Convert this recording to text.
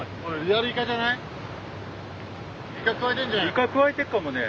イカくわえてっかもね。